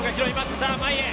さぁ前へ。